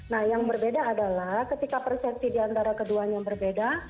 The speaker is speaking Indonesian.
nah yang berbeda adalah ketika persepsi diantara keduanya berbeda